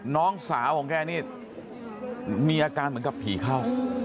น้องสาวของแกนี่มีอาการเหมือนกับผีเข้า